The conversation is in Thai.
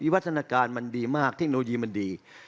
วัฒนาการมันดีมากเทคโนโลยีมันดี